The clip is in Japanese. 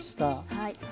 はい。